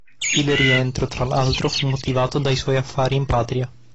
Il rientro, tra l'altro, fu motivato dai suoi affari in patria.